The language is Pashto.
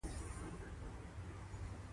ملګري ملتونه اصلي ارکان لري.